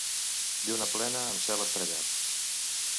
Lluna plena amb cel estrellat.